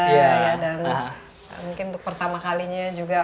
mungkin untuk pertama kalinya